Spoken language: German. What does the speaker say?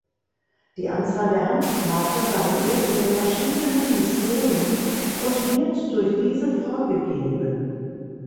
Die Anzahl der Handkarten variiert in den verschiedenen Missionen und wird durch diese vorgegeben.